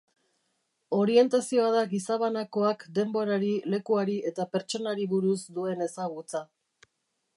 Orientazioa da gizabanakoak denborari, lekuari eta pertsonari buruz duen ezagutza.